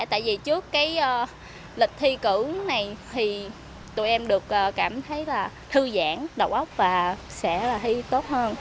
tại vì trước cái lịch thi cử này thì tụi em được cảm thấy là thư giãn đầu óc và sẽ là thi tốt hơn